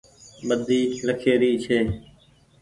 ٻۮي لکيِ ري ڇي